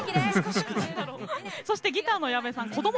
そしてギターの矢部さん子ども